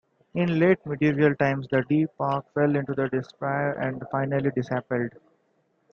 In late Medieval times the deer park fell into disrepair and was finally dispaled.